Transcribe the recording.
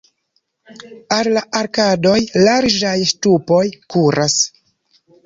Al la arkadoj larĝaj ŝtupoj kuras.